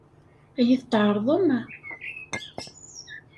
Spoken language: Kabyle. Ad iyi-t-tɛeṛḍem?